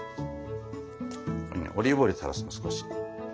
オリーブオイル垂らすの少し。